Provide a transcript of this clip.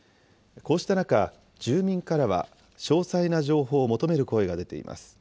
こうした中、住民からは詳細な情報を求める声が出ています。